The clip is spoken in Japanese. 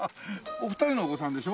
お二人のお子さんでしょ？